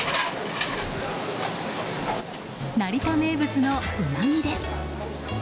成田名物のウナギです。